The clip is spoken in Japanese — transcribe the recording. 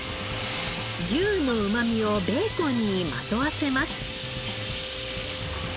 牛のうまみをベーコンにまとわせます。